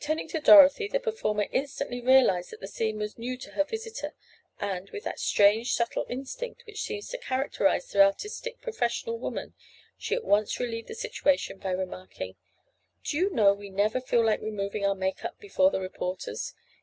Turning to Dorothy the performer instantly realized that the scene was new to her visitor and, with that strange, subtle instinct which seems to characterize the artistic professional woman, she at once relieved the situation by remarking: "Do you know we never feel like removing our 'make up' before the reporters.